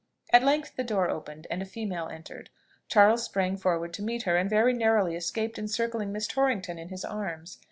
At length the door opened, and a female entered. Charles sprang forward to meet her, and very narrowly escaped encircling Miss Torrington in his arms.